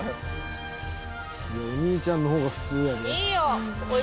「お兄ちゃんの方が普通やで」